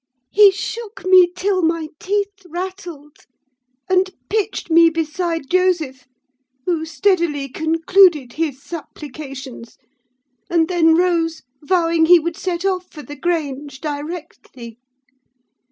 "He shook me till my teeth rattled, and pitched me beside Joseph, who steadily concluded his supplications, and then rose, vowing he would set off for the Grange directly.